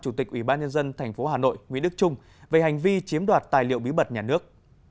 chủ tịch ủy ban nhân dân tp hà nội nguyễn đức trung về hành vi chiếm đoạt tài liệu bí mật nhà nước